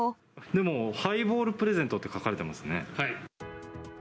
でも、ハイボールプレゼントと書かれていますね。